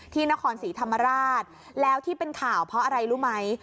ที่นครศรีธรรมราชแล้วที่เป็นข่าวเพราะอะไรรู้ไหม